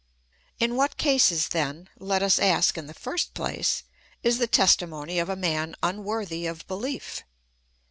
In what cases, then, let us ask in the first place, is the testimony of a man unworthy of belief